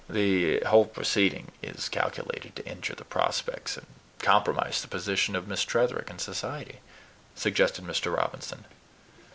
"The whole proceeding is calculated to injure the prospects, and compromise the position, of Miss Tretherick in society," suggested Mr. Robinson.